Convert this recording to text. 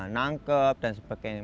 nangkep dan sebagainya